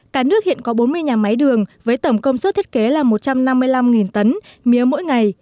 cả nước hiện có bốn mươi nhà máy đường với tổng công suất thiết kế là một trăm năm mươi năm tấn mía mỗi ngày